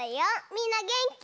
みんなげんき？